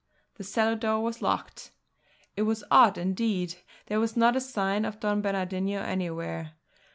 The cellar door was locked. It was odd indeed; there was not a sign of Don Bernardino anywhere.